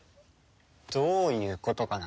どういうことかな？